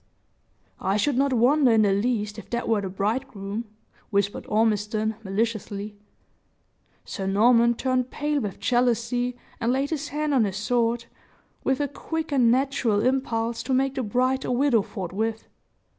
"I should not wonder in the least if that were the bridegroom," whispered Ormiston, maliciously. Sir Norman turned pale with jealousy, and laid his hand on his sword, with a quick and natural impulse to make the bride a widow forthwith.